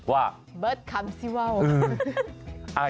ว่า